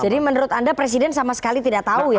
jadi menurut anda presiden sama sekali tidak tahu ya